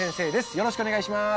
よろしくお願いします